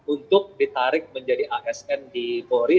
untuk ditarik menjadi asn di polri